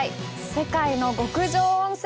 世界の極上温泉！